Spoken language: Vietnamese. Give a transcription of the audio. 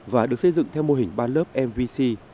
và được xây dựng theo mô hình ba lớp mvc